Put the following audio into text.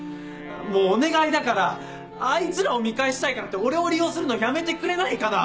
もうお願いだからあいつらを見返したいからって俺を利用するのやめてくれないかな？